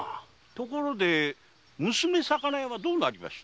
ところで娘魚屋はどうなりました？